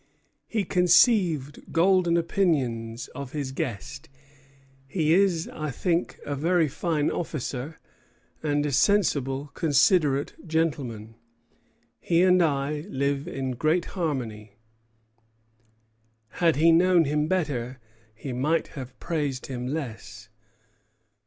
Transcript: He conceived golden opinions of his guest. "He is, I think, a very fine officer, and a sensible, considerate gentleman. He and I live in great harmony." Had he known him better, he might have praised him less.